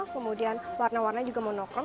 kemudian warna warna juga monokrom